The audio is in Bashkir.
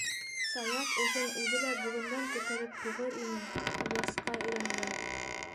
Саяф эшен үҙе лә бөгөндән күтәреп һуғыр ине - власҡа өйрәнгән.